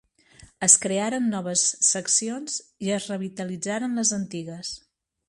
Es crearen noves seccions i es revitalitzaren les antigues.